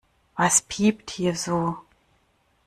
Was piept hier so?